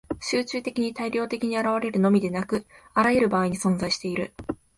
集中的に大量的に現れるのみでなく、あらゆる場合に存在している。